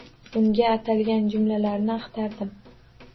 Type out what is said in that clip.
Unga atalgan jumlalarni axtardim.